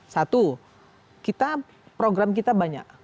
satu program kita banyak